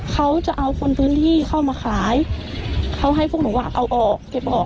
เขาจะเอาคนพื้นที่เข้ามาขายเขาให้พวกหนูอ่ะเอาออกเก็บออก